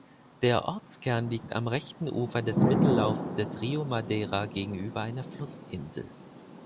Der Ortskern liegt am rechten Ufer des Mittellaufs des Rio Madeira gegenüber einer Flussinsel.